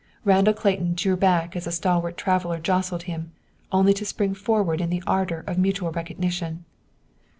Randall Clayton drew back as a stalwart traveler jostled him, only to spring forward in the ardor of mutual recognition.